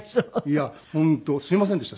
いや本当すみませんでした。